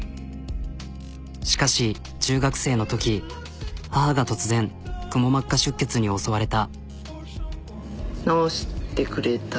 しかし中学生のとき母が突然くも膜下出血に襲われた。